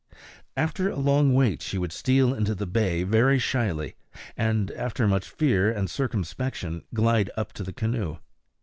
After a long wait she would steal into the bay very shyly, and after much fear and circumspection glide up to the canoe.